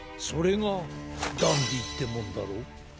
それがダンディってもんだろ。